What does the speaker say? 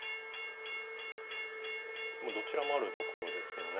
どちらもあるところですよね。